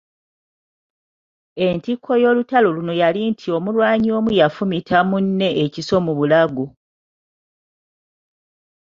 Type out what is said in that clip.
Entikko y’olutalo luno yali nti omulwanyi omu yafumita munne ekiso mu bulago.